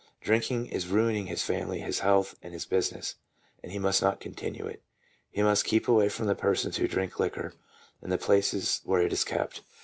Drinking is ruining his family, his health, and his business, and he must not continue it. He must keep away from the persons who drink liquor, and the places where it is kept.